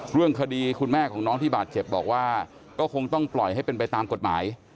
เรื่องคดีคุณแม่ของน้องที่บาดเจ็บบอกว่าก็คงต้องปล่อยให้เป็นไปตามกฎหมาย